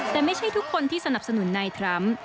แต่ไม่ใช่ทุกคนที่สนับสนุนนายทรัมป์